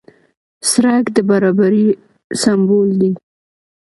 سړک د برابرۍ سمبول دی.